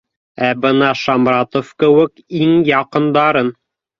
Ә бына Шамратов кеүек иң яҡындарын